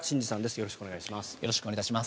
よろしくお願いします。